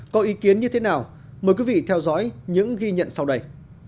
có ý kiến như thế nào mời quý vị theo dõi những ghi nhận sau đây